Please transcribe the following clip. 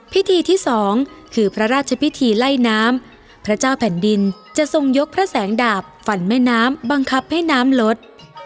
พิธีที่สองคือพระราชพิธีไล่น้ำพระเจ้าแผ่นดินจะทรงยกพระแสงดาบฝั่นแม่น้ำบังคับให้น้ำลด